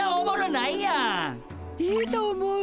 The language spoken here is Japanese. いいと思う！